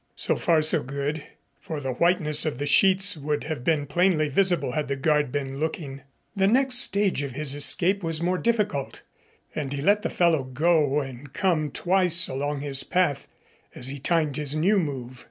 So far so good, for the whiteness of the sheets would have been plainly visible had the guard been looking. The next stage of his escape was more difficult, and he let the fellow go and come twice along his path as he timed his new move.